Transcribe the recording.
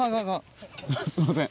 すいません。